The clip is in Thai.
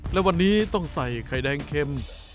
และวันนี้ต้องใส่ไข่แดงเข็ม